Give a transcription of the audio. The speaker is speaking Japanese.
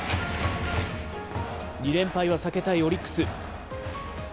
２連敗は避けたいオリックス。